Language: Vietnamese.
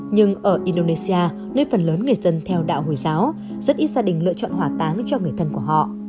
nhưng ở indonesia nơi phần lớn người dân theo đạo hồi giáo rất ít gia đình lựa chọn hỏa táng cho người thân của họ